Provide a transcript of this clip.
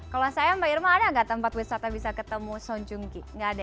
kalau saya mbak irma ada nggak tempat wisata bisa ketemu seonjunggi nggak ada ya